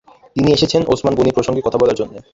তিনি এসেছেন ওসমান গনি প্রসঙ্গে কথা বলার জন্যে।